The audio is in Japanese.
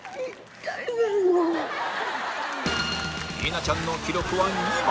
稲ちゃんの記録は２枚